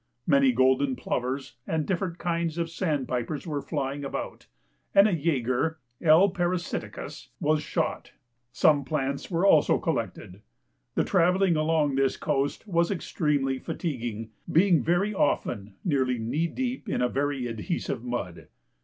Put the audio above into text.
Many golden plovers and different kinds of sandpipers were flying about, and a jager (L. parasiticus) was shot: some plants were also collected. The travelling along this coast was extremely fatiguing, being very often nearly knee deep in a very adhesive mud.